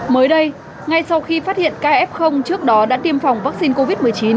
mới đây ngay sau khi phát hiện kf trước đó đã tiêm phòng vaccine covid một mươi chín